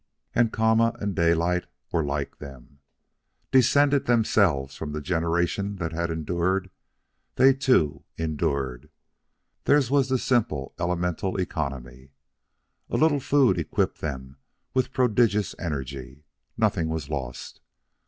And Kama and Daylight were like them. Descended themselves from the generations that had endured, they, too, endured. Theirs was the simple, elemental economy. A little food equipped them with prodigious energy. Nothing was lost.